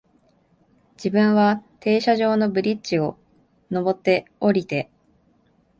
自分は停車場のブリッジを、上って、降りて、